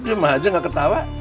diam aja gak ketawa